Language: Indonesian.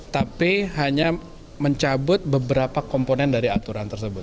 tapi hanya mencabut beberapa komponen dari aturan tersebut